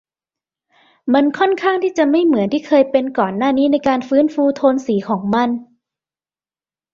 มันค่อนข้างที่จะไม่เหมือนที่เคยเป็นก่อนหน้านี้ในการฟื้นฟูโทนสีของมัน